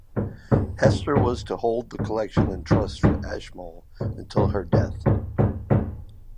Hester was to hold the collection in trust for Ashmole until her death.